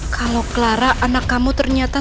kalau clara anak kamu ternyata